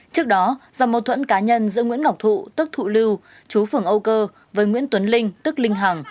trước đó do mâu thuẫn cá nhân giữa nguyễn ngọc thụ tức thụ lưu chú phường âu cơ với nguyễn tuấn linh tức linh hằng